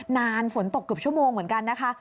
ฝนตกเกือบชั่วโมงเหมือนกันนะคะ